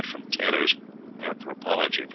(Tylor's "Anthropology," p.